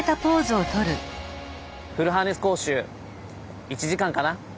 「フルハーネス講習１時間かな？